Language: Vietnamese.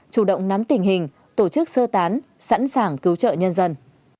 chủ động nắm tình hình tổ chức sơ tán sẵn sàng cứu trợ nhân dân